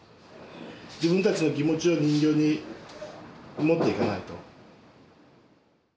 自分たちの気持ちを人形に持っていかないと。